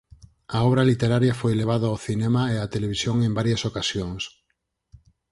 A obra literaria foi levada ao cinema e á televisión en varias ocasións.